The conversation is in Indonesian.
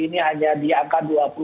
ini hanya di angka dua puluh